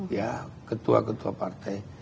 ya ketua ketua partai